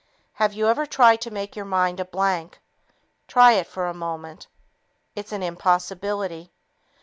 Have you ever tried to make your mind a blank? Try it for a moment. It's an impossibility.